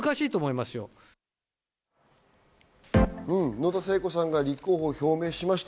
野田聖子さんが立候補を表明しました。